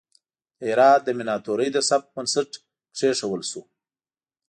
د هرات د میناتوری د سبک بنسټ کیښودل شو.